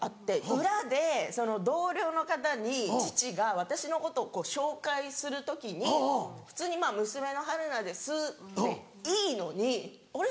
裏で同僚の方に父が私のことを紹介する時に普通に「娘の春菜です」でいいのに「あれ？